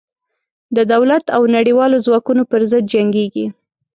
د دولت او نړېوالو ځواکونو پر ضد جنګېږي.